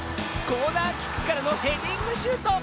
コーナーキックからのヘディングシュート。